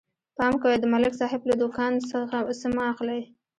پام کوئ، د ملک صاحب له دوکان څه مه اخلئ.